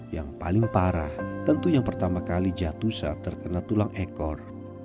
yang paling parah tentunya pertama kali jatuh saat terkena tulang ekor